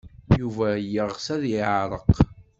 Yuba yeɣs ad yeɛreq.